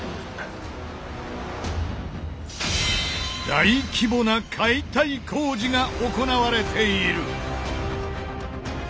大規模な解体工事が行われている！